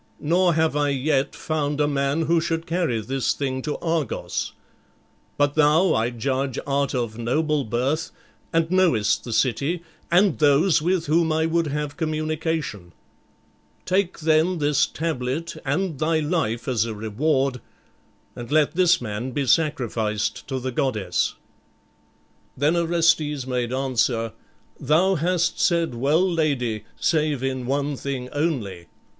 Nor have I yet found a man who should carry this thing to Argos. But thou, I judge, art of noble birth and knowest the city and those with whom I would have communication. Take then this tablet and thy life as a reward, and let this man be sacrificed to the goddess." Then Orestes made answer, "Thou hast said well, lady, save in one thing only.